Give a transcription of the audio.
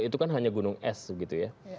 itu kan hanya gunung es gitu ya